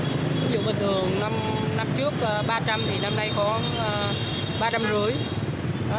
ví dụ bình thường năm trước ba trăm linh thì năm nay có ba trăm năm mươi